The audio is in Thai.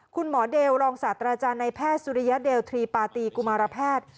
คุณหมอเดลรองศาสตราจารย์ในแพทย์สุริยเดลทรีปาตีกุมารแพทย์